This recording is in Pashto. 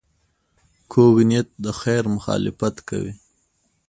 کوږ نیت د خیر مخالفت کوي